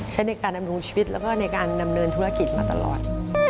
ใช้ในการดำรงชีวิตแล้วก็ในการดำเนินธุรกิจมาตลอด